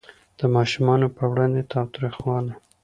د ماشومانو په وړاندې تاوتریخوالی